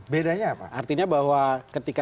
bedanya apa artinya bahwa ketika